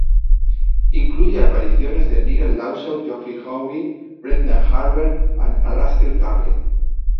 Incluye apariciones de Nigel Lawson, Geoffrey Howe, Brendan Barber y Alastair Darling.